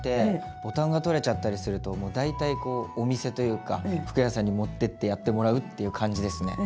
ボタンが取れちゃったりするともう大体こうお店というか服屋さんに持ってってやってもらうっていう感じですね。